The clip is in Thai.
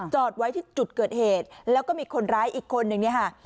จอดไว้ที่จุดเกิดเหตุแล้วก็มีคนร้ายอีกคนนึงเนี่ยค่ะ